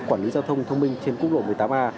quản lý giao thông thông minh trên quốc lộ một mươi tám a